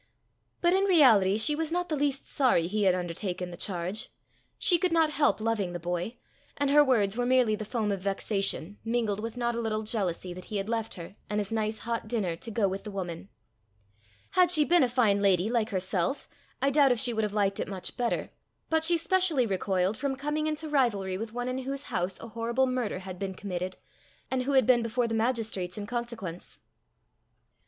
But in reality she was not the least sorry he had undertaken the charge. She could not help loving the boy, and her words were merely the foam of vexation, mingled with not a little jealousy, that he had left her, and his nice hot dinner, to go with the woman. Had she been a fine lady like herself, I doubt if she would have liked it much better; but she specially recoiled from coming into rivalry with one in whose house a horrible murder had been committed, and who had been before the magistrates in consequence.